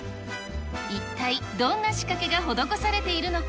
一体どんな仕掛けが施されているのか。